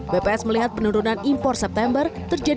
bps melihat penurunan impor september terjadi